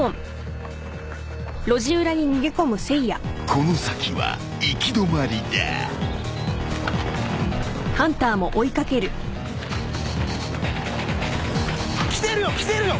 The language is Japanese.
［この先は行き止まりだ］来てるよ来てるよ。